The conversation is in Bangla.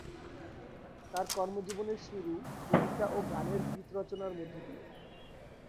তার কর্মজীবনের শুরু কবিতা ও গানের গীত রচনার মধ্য দিয়ে।